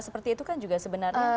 seperti itu kan juga sebenarnya